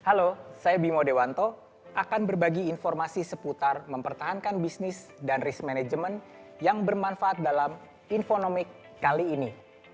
halo saya bimo dewanto akan berbagi informasi seputar mempertahankan bisnis dan risk management yang bermanfaat dalam infonomik kali ini